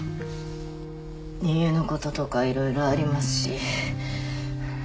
家のこととか色々ありますし。